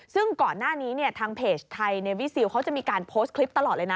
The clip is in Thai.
ซึ่งก่อนหน้านี้เนี่ยทางเพจไทยในวิซิลเขาจะมีการโพสต์คลิปตลอดเลยนะ